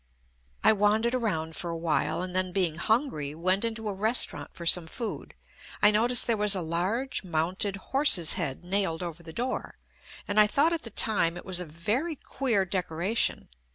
I wandered around for a while, and then being hungry went into a restaurant for some food. I noticed there was a large mounted horse's head nailed over the door, and I thought at the time it was a very queer decoration.